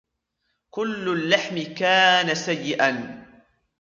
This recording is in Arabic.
كل اللحم كان سيئا.